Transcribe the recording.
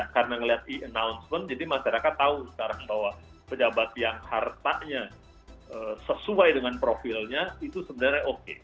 karena melihat e announcement jadi masyarakat tahu sekarang bahwa pejabat yang hartanya sesuai dengan profilnya itu sebenarnya oke